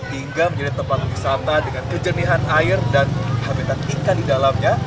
hingga menjadi tempat wisata dengan kejernihan air dan habitat ikan di dalamnya